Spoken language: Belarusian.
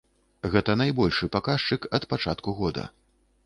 Гэта найбольшы паказчык ад пачатку года.